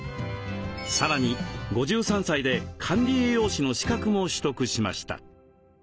さらに５３歳で管理栄養士の資格も取得しました。